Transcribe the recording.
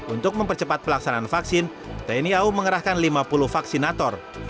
untuk mempercepat pelaksanaan vaksin tni au mengerahkan lima puluh vaksinator